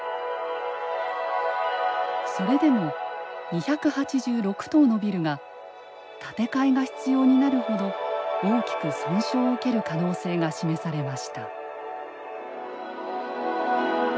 それでも２８６棟のビルが建て替えが必要になるほど大きく損傷を受ける可能性が示されました。